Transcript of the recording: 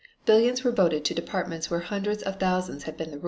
Billions were voted to departments where hundreds of thousands had been the rule.